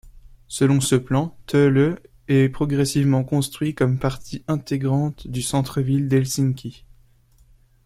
Selon ce plan Töölö est progressivement construit comme partie intégrante du centre ville d'Helsinki.